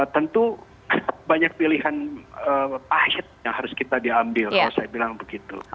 tentu banyak pilihan pahit yang harus kita diambil kalau saya bilang begitu